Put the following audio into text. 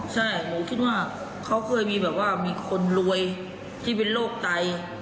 ใช่หนูคิดว่าเขาเคยมีแบบว่ามีคนรวยที่เป็นโรคไต